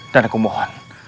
dan aku mohon